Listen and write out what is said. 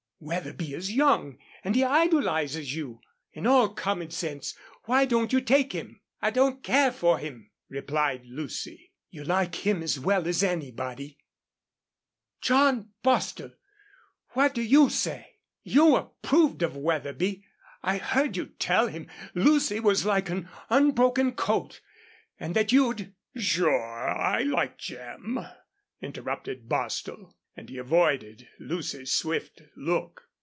... Wetherby is young and he idolizes you. In all common sense why don't you take him?" "I don't care for him," replied Lucy. "You like him as well as anybody.... John Bostil, what do you say? You approved of Wetherby. I heard you tell him Lucy was like an unbroken colt and that you'd " "Sure, I like Jim," interrupted Bostil; and he avoided Lucy's swift look.